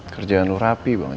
kerjaan lo rapi banget